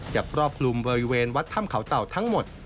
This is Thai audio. ครอบคลุมบริเวณวัดถ้ำเขาเต่าทั้งหมด